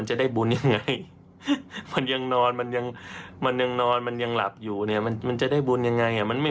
ไลฟ์สดยาวเลยเอาไปฟังเสียงพระมหาพรรณค่ะ